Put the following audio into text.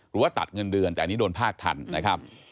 หรือว่าตัดเงินเดือนแต่อันนี้โดนภาคทันนะครับ